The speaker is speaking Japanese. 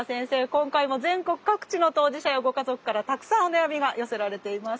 今回も全国各地の当事者やご家族からたくさんお悩みが寄せられています。